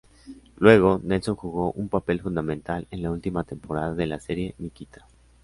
Luego, Nelson jugó un papel fundamental en la última temporada de la serie "Nikita".